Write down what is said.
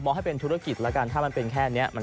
มองให้เป็นธุรกิจแล้วกัน